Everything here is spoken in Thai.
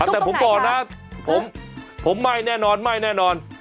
แต่ผมบอกนะผมไม่แน่นอน